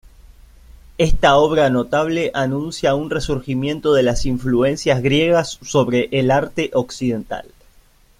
Esta obra notable anuncia un resurgimiento de las influencias griegas sobre el arte occidental.